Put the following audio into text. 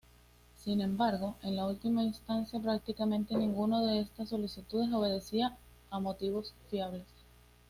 Sin embargo, en última instancia, prácticamente ninguna de estas solicitudes obedecía a motivos fiables.